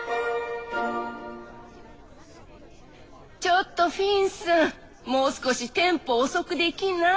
ちょっとフィンさんもう少しテンポ遅くできない？